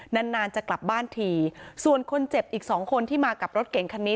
นานนานจะกลับบ้านทีส่วนคนเจ็บอีกสองคนที่มากับรถเก่งคันนี้